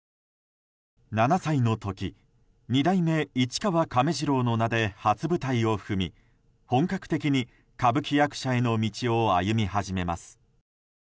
７歳の時二代目市川亀治郎の名で初舞台を踏み本格的に歌舞伎役者への道を歩み始めます。